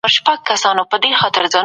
دا يو ملي کار دی.